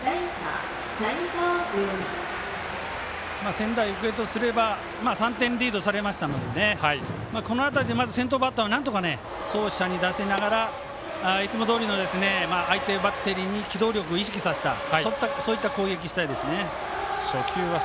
仙台育英とすれば３点リードされましたのでこの辺りで、まず先頭バッターを走者に出しながらいつもどおりの相手バッテリーに機動力を意識させた攻撃をしたいですね。